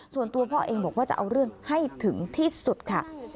ส่วนตัวพ่อเองบอกว่าจะเอาเรื่องให้ถึงที่สุดค่ะ